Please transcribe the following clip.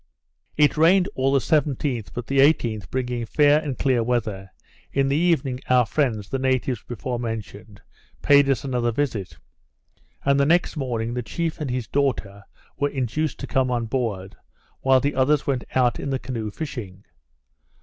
It rained all the 17th, but the 18th bringing fair and clear weather, in the evening our friends, the natives before mentioned, paid us another visit; and, the next morning, the chief and his daughter were induced to come on board, while the others went out in the canoe fishing.